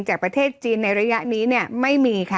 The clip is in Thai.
จากประเทศจีนในระยะนี้เนี่ยไม่มีค่ะ